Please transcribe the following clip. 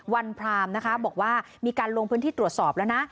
พรามนะคะบอกว่ามีการลงพื้นที่ตรวจสอบแล้วนะ